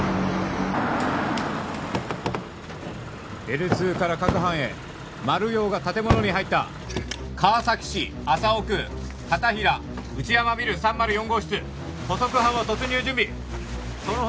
Ｌ２から各班へマルヨウが建物に入った川崎市麻生区片平内山ビル３０４号室捕捉班は突入準備その他